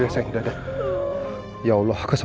vorsyaka itu tapi jauh lagi omong omong